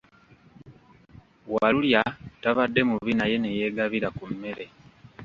Walulya tabadde mubi naye ne yeegabira ku mmere.